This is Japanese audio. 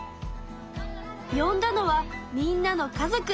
よんだのはみんなの家族。